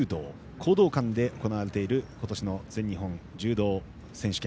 講道館で行われている今年の全日本柔道選手権。